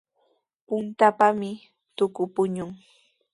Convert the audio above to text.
Puntrawpami tuku puñun.